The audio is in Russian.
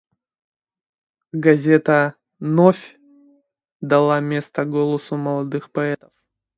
Газета «Новь» дала место голосу молодых поэтов.